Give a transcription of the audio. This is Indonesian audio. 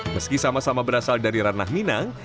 meski sama sama berasal dari ranah minang